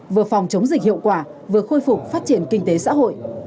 vừa phòng chống dịch hiệu quả vừa khôi phục phát triển kinh tế xã hội